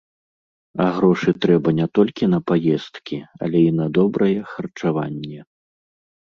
А грошы трэба не толькі на паездкі, але і на добрае харчаванне.